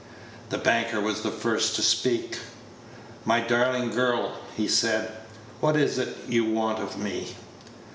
The banker was the first to speak. "My darling girl," he said, "what is it you want of me?"